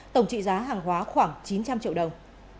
tổng trị giá hàng hóa khoảng chín trăm linh triệu đồng